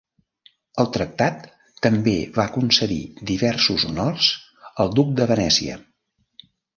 El tractat també va concedir diversos honors al Dux de Venècia.